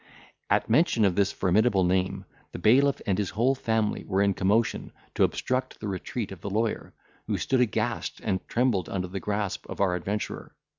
At mention of this formidable name, the bailiff and his whole family were in commotion, to obstruct the retreat of the lawyer, who stood aghast and trembled under the grasp of our adventurer.